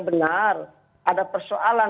benar ada persoalan